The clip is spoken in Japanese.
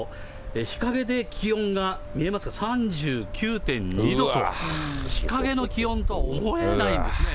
日陰で気温が、見えますか、３９．２度と、日陰の気温とは思えないんですね。